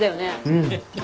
うん。